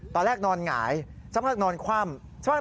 ตอนแรกนอนหงายซับหักนอนคว่ำ